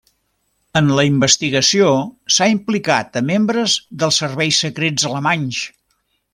En la investigació s'ha implicat a membres dels serveis secrets alemanys.